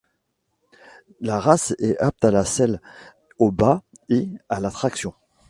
La race est apte à la selle, au bât et à la traction.